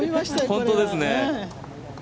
本当ですね。